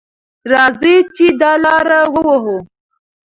راځئ چې دا لاره ووهو.